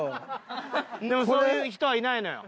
そういう人はいないのよ。